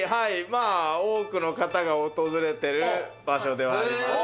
まあ多くの方が訪れてる場所ではあります